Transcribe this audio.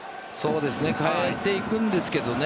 変えていくんですけどね